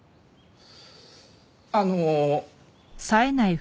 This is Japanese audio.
あの。